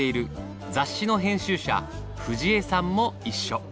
雑誌の編集者藤江さんも一緒。